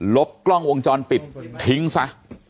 ลบกล้องวงจรปิดทิ้งซะ